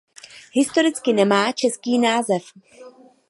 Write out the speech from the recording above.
Historicky nemá český název.